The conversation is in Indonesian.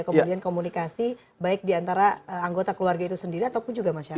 kemudian komunikasi baik di antara anggota keluarga itu sendiri ataupun juga masyarakat